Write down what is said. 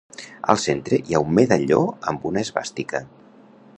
Al centre hi ha un medalló amb una esvàstica.